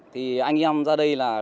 thì anh em ra đây là